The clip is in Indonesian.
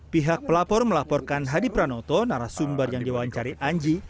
pihak pelapor melaporkan hadi pranoto narasumber yang diwawancari anji